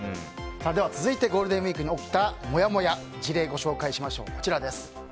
続いて、ゴールデンウィークに起きたモヤモヤの事例をご紹介します。